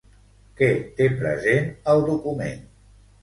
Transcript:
Què té present el document?